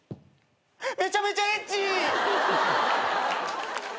めちゃめちゃエッチ！